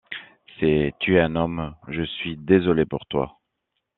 Si tu es un homme, je suis désolée pour toi.